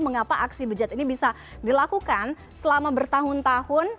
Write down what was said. mengapa aksi bejat ini bisa dilakukan selama bertahun tahun